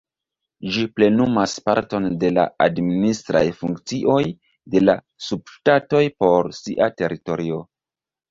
Ĝi plenumas parton de la administraj funkcioj de la subŝtato por sia teritorio.